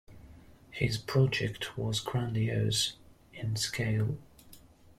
His project was grandiose in scale.